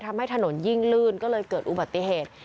ทำให้ถนนยิ่งลื่นก็เลยเกิดอุบัติเหตุ